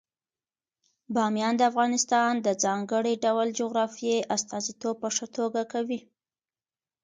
بامیان د افغانستان د ځانګړي ډول جغرافیې استازیتوب په ښه توګه کوي.